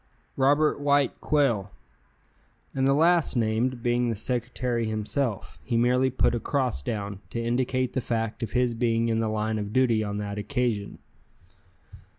"Robert White Quail." And the last named being the secretary himself, he merely put a cross down, to indicate the fact of his being in the line of duty on that occasion.